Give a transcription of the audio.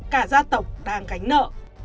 cả gia tộc đang gánh nợ